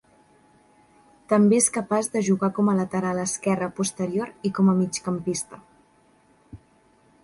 També és capaç de jugar com a lateral esquerra posterior i com a migcampista.